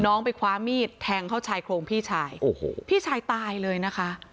ไปคว้ามีดแทงเข้าชายโครงพี่ชายโอ้โหพี่ชายตายเลยนะคะ